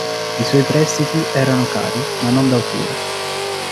I suoi prestiti erano cari, ma non da usura.